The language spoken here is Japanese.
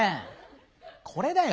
これだよ。